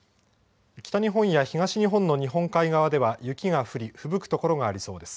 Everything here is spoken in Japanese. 北日本や東日本の日本海側では雪が降り、ふぶく所がありそうです。